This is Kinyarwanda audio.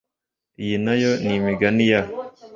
Iyi na yo ni imigani ya